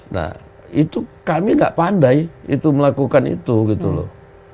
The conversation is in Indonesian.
nah itu kami tidak pandai itu melakukan itu gitu loh